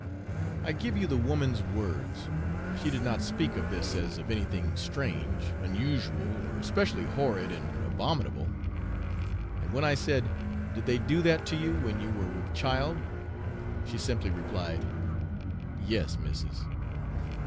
I give you the woman's words; she did not speak of this as of anything strange, unusual or especially horrid and abominable; and when I said, 'Did they do that to you when you were with child?' she simply replied, 'Yes, missis.'